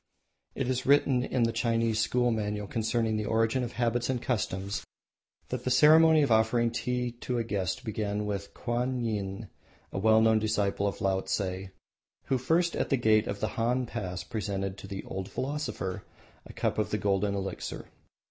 It is written in the Chinese school manual concerning the origin of habits and customs that the ceremony of offering tea to a guest began with Kwanyin, a well known disciple of Laotse, who first at the gate of the Han Pass presented to the "Old Philosopher" a cup of the golden elixir.